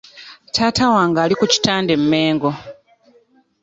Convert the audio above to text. Taata wange ali ku kitanda e Mengo.